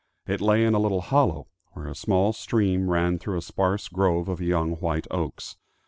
It lay in a little hollow, where a small stream ran through a sparse grove of young white oaks.